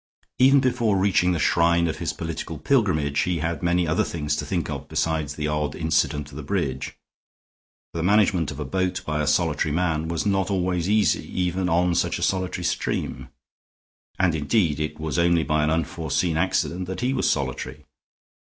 Even before reaching the shrine of his political pilgrimage he had many other things to think of besides the odd incident of the bridge; for the management of a boat by a solitary man was not always easy even on such a solitary stream. And indeed it was only by an unforeseen accident that he was solitary.